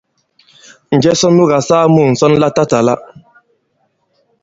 Njɛ sɔ nu kà-saa mu ŋ̀sɔn latatàla?